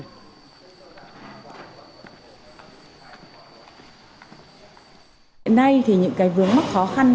hôm nay những vướng mắc khó khăn